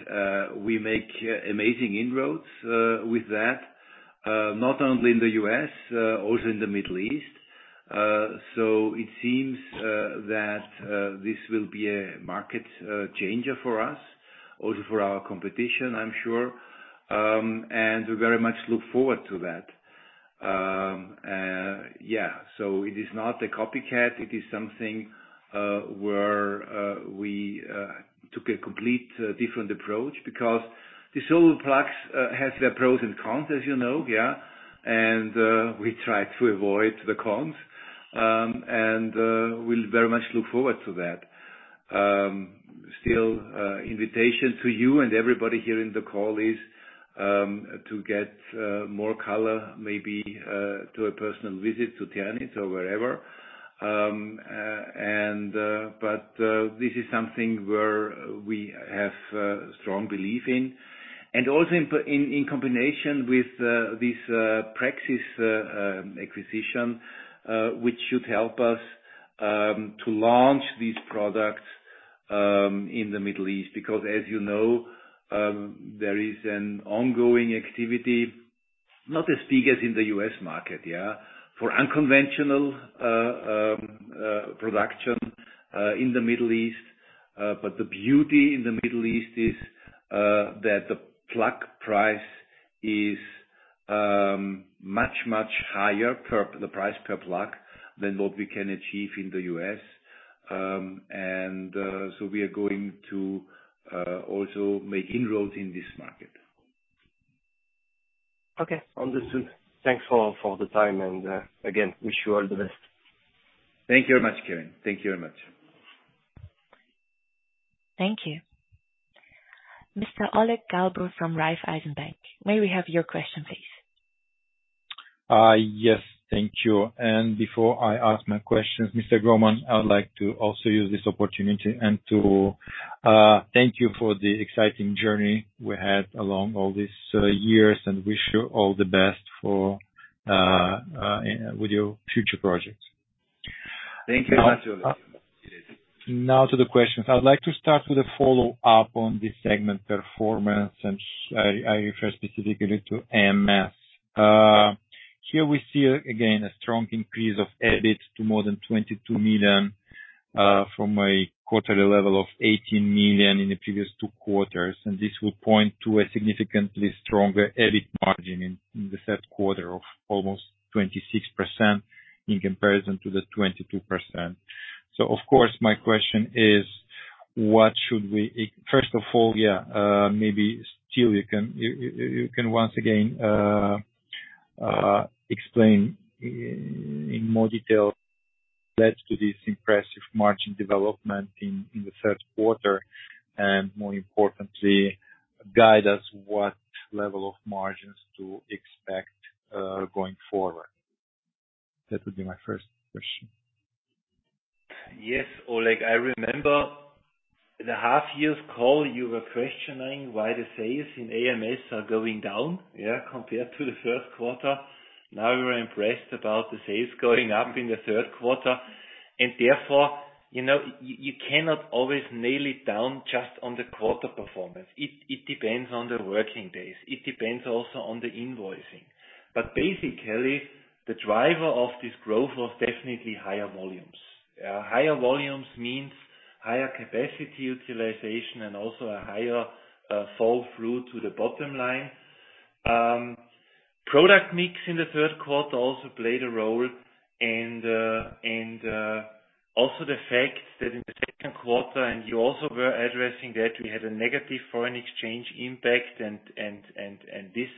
we make amazing inroads with that, not only in the U.S., also in the Middle East. So it seems that this will be a market changer for us, also for our competition, I'm sure. And we very much look forward to that. Yeah, so it is not a copycat. It is something where we took a complete different approach because dissolvable plugs has their pros and cons, as you know, yeah? And we try to avoid the cons. And we'll very much look forward to that. Still, invitation to you and everybody here in the call is to get more color, maybe, to a personal visit to Ternitz or wherever. But this is something where we have a strong belief in. And also in combination with this Praxis acquisition, which should help us to launch these products in the Middle East. Because as you know, there is an ongoing activity, not as big as in the US market, yeah, for unconventional production in the Middle East. But the beauty in the Middle East is that the plug price is much, much higher, the price per plug than what we can achieve in the US. And so we are going to also make inroads in this market. Okay, understood. Thanks for the time, and again, wish you all the best. Thank you very much, Kevin. Thank you very much. Thank you. Mr. Oleg Galbur from Raiffeisen Bank, may we have your question, please? Yes, thank you. Before I ask my questions, Mr. Grohmann, I would like to also use this opportunity and to thank you for the exciting journey we had along all these years, and wish you all the best for with your future projects. Thank you very much, Oleg. Now to the questions. I would like to start with a follow-up on the segment performance, and I refer specifically to AMS. Here we see again a strong increase of EBIT to more than 22 million from a quarterly level of 18 million in the previous two quarters. And this will point to a significantly stronger EBIT margin in the third quarter of almost 26% in comparison to the 22%. So of course, my question is: What should we... First of all, maybe Steel, you can once again explain in more detail led to this impressive margin development in the third quarter, and more importantly, guide us what level of margins to expect going forward. That would be my first question. Yes, Oleg, I remember in the half year's call, you were questioning why the sales in AMS are going down, yeah, compared to the first quarter. Now you are impressed about the sales going up in the third quarter, and therefore, you know, you cannot always nail it down just on the quarter performance. It depends on the working days. It depends also on the invoicing. But basically, the driver of this growth was definitely higher volumes. Higher volumes means higher capacity utilization and also a higher fall through to the bottom line. Product mix in the third quarter also played a role, and also the fact that in the second quarter, and you also were addressing that, we had a negative foreign exchange impact. And this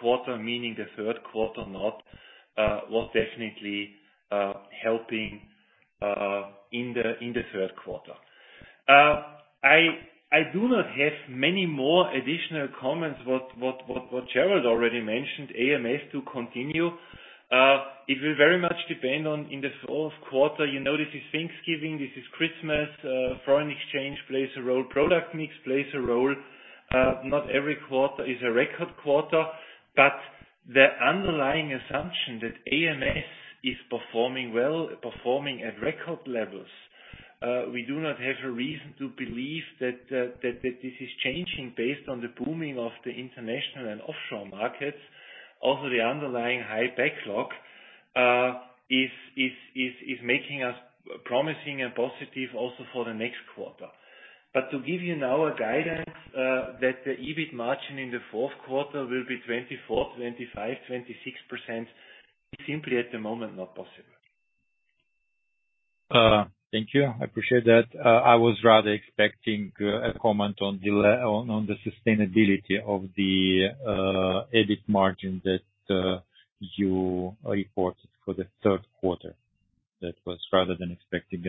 quarter, meaning the third quarter, was definitely helping in the third quarter. I do not have many more additional comments what Gerald already mentioned, AMS to continue. It will very much depend on in the fourth quarter, you know, this is Thanksgiving, this is Christmas, foreign exchange plays a role, product mix plays a role. Not every quarter is a record quarter, but the underlying assumption that AMS is performing well, performing at record levels, we do not have a reason to believe that this is changing based on the booming of the international and offshore markets. Also, the underlying high backlog is making us promising and positive also for the next quarter. To give you now a guidance, that the EBIT margin in the fourth quarter will be 24%-26%, is simply at the moment, not possible. Thank you. I appreciate that. I was rather expecting a comment on the sustainability of the EBIT margin that you reported for the third quarter. That was rather than expecting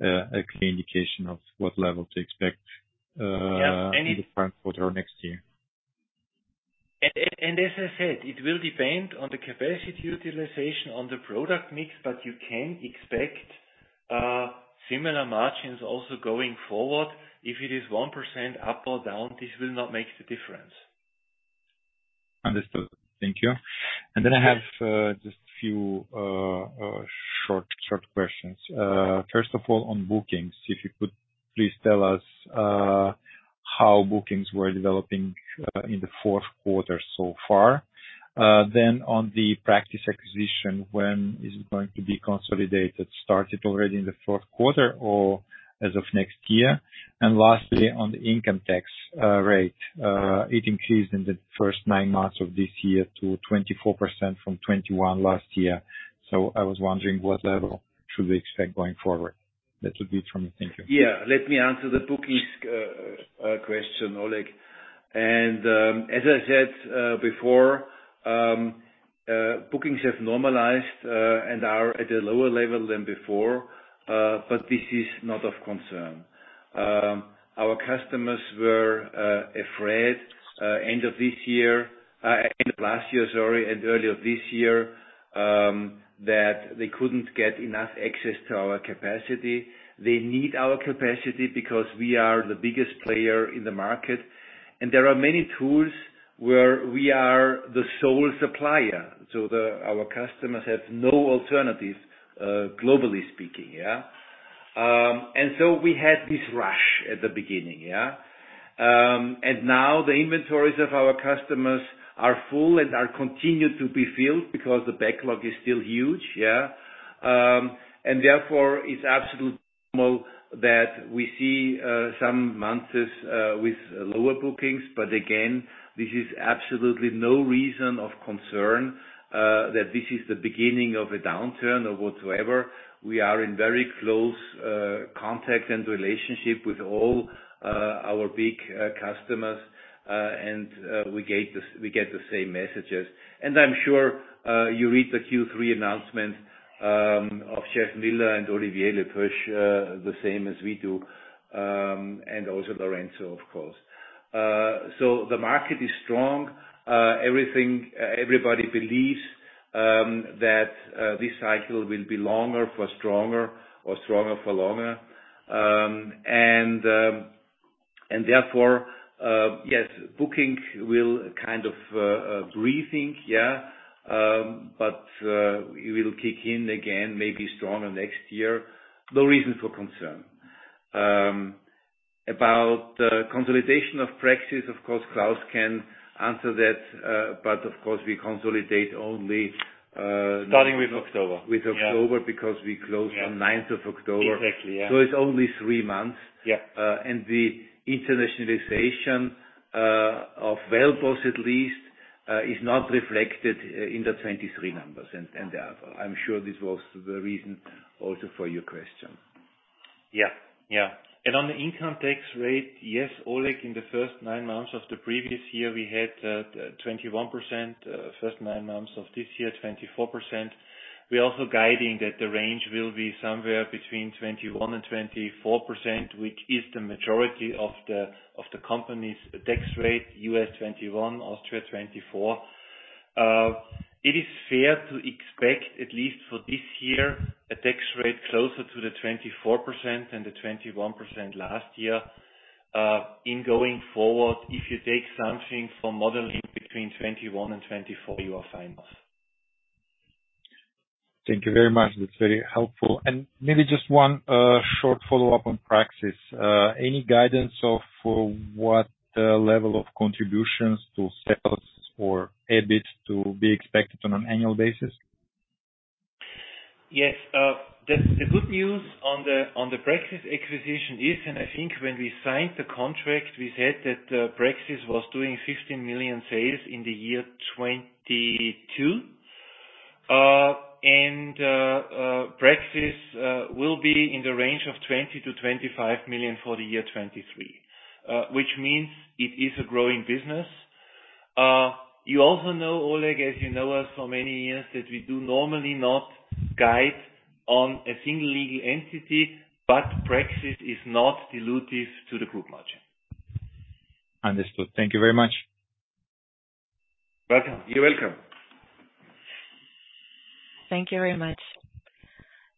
a clear indication of what level to expect. Yeah, and it- for the current quarter next year. And as I said, it will depend on the capacity utilization on the product mix, but you can expect similar margins also going forward. If it is 1% up or down, this will not make the difference. Understood. Thank you. And then I have just a few short questions. First of all, on bookings, if you could please tell us how bookings were developing in the fourth quarter so far. Then on the Praxis acquisition, when is it going to be consolidated? Started already in the fourth quarter or as of next year? And lastly, on the income tax rate, it increased in the first nine months of this year to 24% from 21% last year. So I was wondering what level should we expect going forward? That would be it from me. Thank you. Yeah. Let me answer the bookings question, Oleg. And, as I said, before, bookings have normalized, and are at a lower level than before, but this is not of concern. Our customers were afraid, end of this year, end of last year, sorry, and early of this year, that they couldn't get enough access to our capacity. They need our capacity because we are the biggest player in the market, and there are many tools where we are the sole supplier. So our customers have no alternatives, globally speaking, yeah? And so we had this rush at the beginning, yeah. And now the inventories of our customers are full and are continued to be filled because the backlog is still huge, yeah. And therefore, it's absolutely normal that we see some months with lower bookings. But again, this is absolutely no reason of concern that this is the beginning of a downturn or whatsoever. We are in very close contact and relationship with all our big customers. And we get the same messages. And I'm sure you read the Q3 announcement of Jeff Miller and Olivier Le Peuch the same as we do, and also Lorenzo, of course. So the market is strong. Everything, everybody believes that this cycle will be longer for stronger or stronger for longer. And therefore, yes, booking will kind of breathing, yeah, but it will kick in again, maybe stronger next year. No reason for concern. About the consolidation of Praxis, of course, Klaus can answer that, but of course, we consolidate only, Starting with October. With October. Yeah. Because we close- Yeah On ninth of October. Exactly, yeah. It's only three months. Yeah. The internationalization of WellBoss, at least, is not reflected in the 2023 numbers. And, I'm sure this was the reason also for your question. Yeah. Yeah. On the income tax rate, yes, Oleg, in the first nine months of the previous year, we had 21%, first nine months of this year, 24%. We're also guiding that the range will be somewhere between 21% and 24%, which is the majority of the company's tax rate, U.S., 21%, Austria, 24%. It is fair to expect, at least for this year, a tax rate closer to the 24% than the 21% last year. In going forward, if you take something for modeling between 21% and 24%, you are fine with. Thank you very much. That's very helpful. Maybe just one short follow-up on Praxis. Any guidance for what level of contributions to sales or EBIT to be expected on an annual basis? Yes. The good news on the Praxis acquisition is, and I think when we signed the contract, we said that Praxis was doing 15 million sales in the year 2022. And Praxis will be in the range of 20 million-25 million for the year 2023, which means it is a growing business. You also know, Oleg, as you know us for many years, that we do normally not guide on a single legal entity, but Praxis is not dilutive to the group margin. Understood. Thank you very much. Welcome. You're welcome. ... Thank you very much.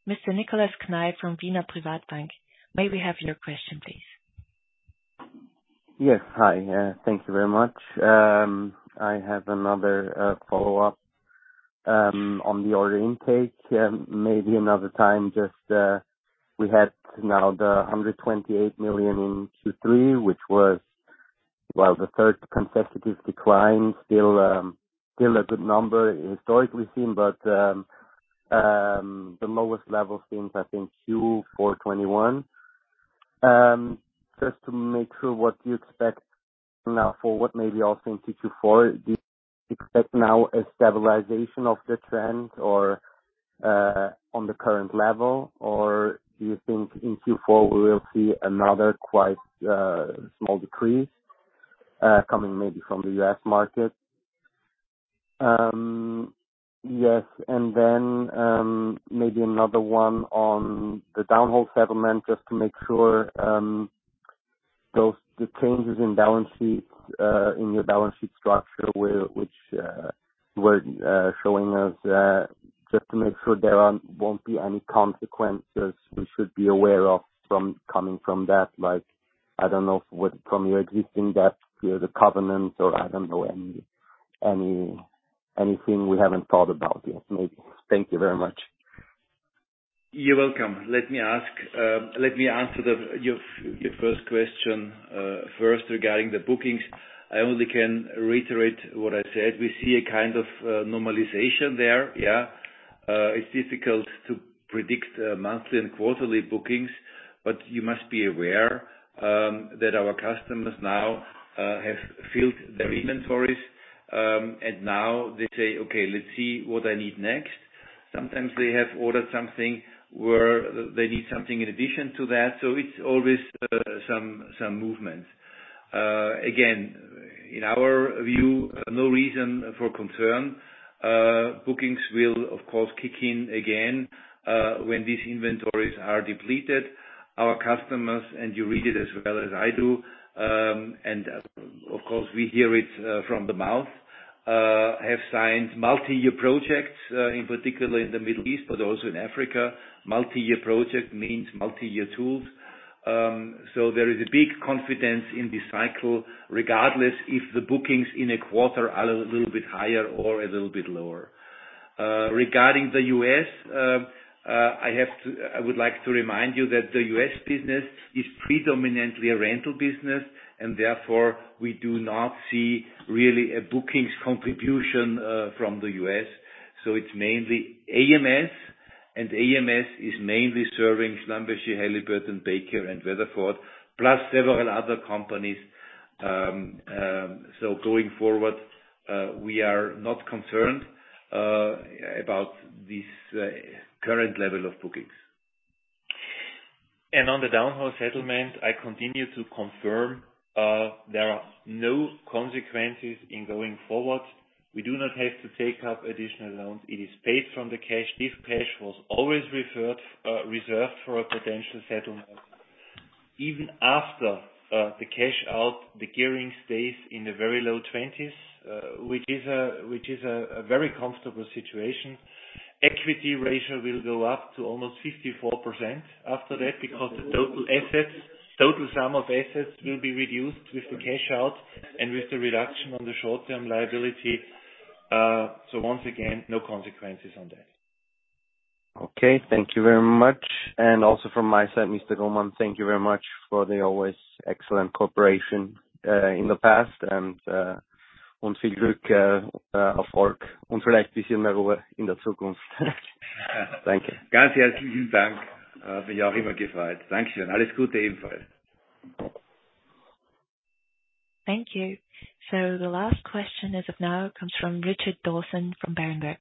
Mr. Nicolas Kneip from Wiener Privatbank, may we have your question, please? Yes. Hi, thank you very much. I have another follow-up on the order intake. Maybe another time, just, we had now 128 million in Q3, which was, well, the third consecutive decline. Still, still a good number historically seen, but, the lowest level since I think Q4 2021. Just to make sure, what do you expect now for what maybe I'll see in Q4? Do you expect now a stabilization of the trend or on the current level, or do you think in Q4 we will see another quite small decrease coming maybe from the U.S. market? Yes, and then maybe another one on the downhole settlement, just to make sure those, the changes in balance sheets in your balance sheet structure, which were showing us, just to make sure there aren't, won't be any consequences we should be aware of coming from that. Like, I don't know, what from your existing debt to the covenants or I don't know, any, anything we haven't thought about yet, maybe. Thank you very much. You're welcome. Let me ask, let me answer the, your, your first question. First, regarding the bookings, I only can reiterate what I said. We see a kind of normalization there, yeah. It's difficult to predict monthly and quarterly bookings, but you must be aware that our customers now have filled their inventories, and now they say, "Okay, let's see what I need next." Sometimes they have ordered something where they need something in addition to that, so it's always some movement. Again, in our view, no reason for concern. Bookings will, of course, kick in again when these inventories are depleted. Our customers, and you read it as well as I do, and of course, we hear it, from the mouth, have signed multi-year projects, in particular in the Middle East, but also in Africa. Multi-year project means multi-year tools. So there is a big confidence in this cycle, regardless if the bookings in a quarter are a little bit higher or a little bit lower. Regarding the U.S., I have to... I would like to remind you that the U.S. business is predominantly a rental business, and therefore we do not see really a bookings contribution, from the U.S. So it's mainly AMS, and AMS is mainly serving Schlumberger, Halliburton, Baker, and Weatherford, plus several other companies. So going forward, we are not concerned, about this, current level of bookings. On the downhole settlement, I continue to confirm, there are no consequences in going forward. We do not have to take up additional loans. It is paid from the cash. This cash was always referred, reserved for a potential settlement. Even after the cash out, the gearing stays in the very low 20s, which is a very comfortable situation. Equity ratio will go up to almost 54% after that, because the total assets, total sum of assets will be reduced with the cash out and with the reduction on the short-term liability. So once again, no consequences on that. Okay, thank you very much. Also from my side, Mr. Grohmann, thank you very much for the always excellent cooperation in the past and, Thank you. Thank you. So the last question as of now comes from Richard Dawson, from Berenberg.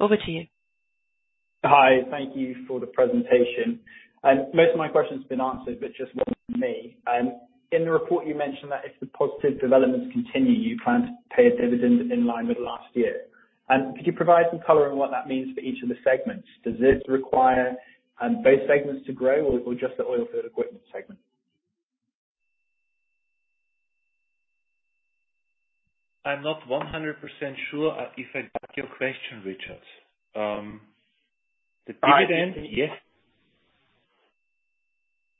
Over to you. Hi. Thank you for the presentation. Most of my question's been answered, but just one from me. In the report, you mentioned that if the positive developments continue, you plan to pay a dividend in line with last year. Could you provide some color on what that means for each of the segments? Does this require both segments to grow or just the oilfield equipment segment? I'm not 100% sure if I got your question, Richard. The dividend- Yes.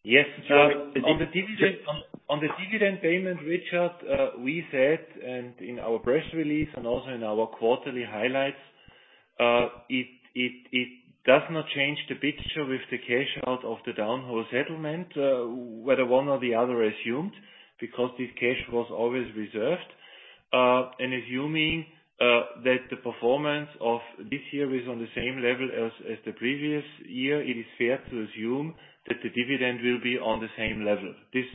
Yes, on the dividend payment, Richard, we said, and in our press release and also in our quarterly highlights, it does not change the picture with the cash out of the downhole settlement, whether one or the other assumed, because this cash was always reserved. And assuming that the performance of this year is on the same level as the previous year, it is fair to assume that the dividend will be on the same level. This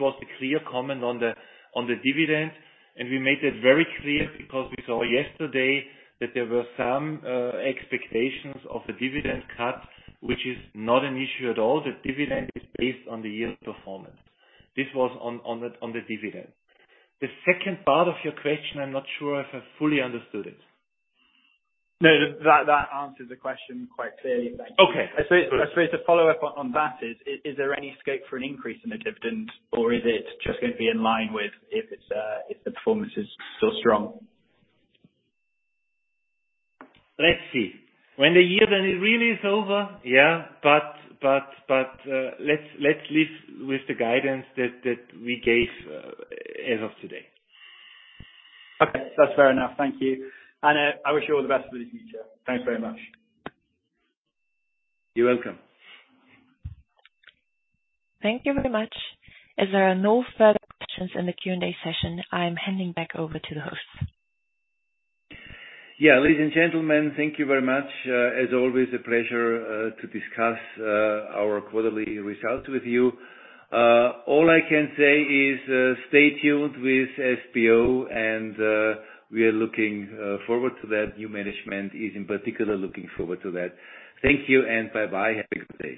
was the clear comment on the dividend, and we made that very clear because we saw yesterday that there were some expectations of a dividend cut, which is not an issue at all. The dividend is based on the year performance. This was on the dividend. The second part of your question, I'm not sure if I've fully understood it. No, that, that answers the question quite clearly. Thank you. Okay. I say, I guess the follow-up on that is, is there any scope for an increase in the dividend, or is it just going to be in line with if the performance is still strong? Let's see. When the year then it really is over, yeah, but, but, but, let's, let's live with the guidance that, that we gave, as of today. Okay. That's fair enough. Thank you. And, I wish you all the best for the future. Thanks very much. You're welcome. Thank you very much. As there are no further questions in the Q&A session, I am handing back over to the host. Yeah, ladies and gentlemen, thank you very much. As always, a pleasure to discuss our qu arterly results with you. All I can say is, stay tuned with SBO and we are looking forward to that. New management is in particular, looking forward to that. Thank you and bye-bye. Have a good day.